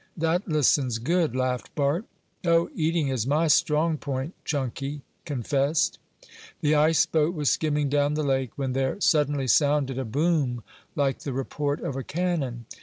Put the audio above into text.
"That listens good," laughed Bart. "Oh, eating is my strong point!" Chunky confessed. The ice boat was skimming down the lake, when there suddenly sounded a boom like the report of a cannon.